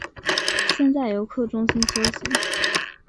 先在游客中心休息